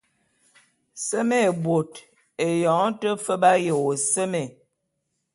Seme bot, eyong te fe b’aye wo seme.